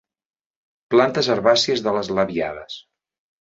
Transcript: Plantes herbàcies de les labiades.